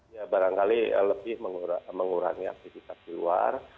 ya barangkali lebih mengurangi aktivitas di luar